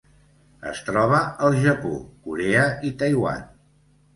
Es troba al Japó, Corea i Taiwan.